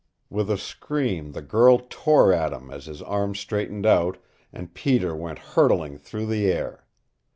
With a scream the girl tore at him as his arm straightened out, and Peter went hurtling through the air.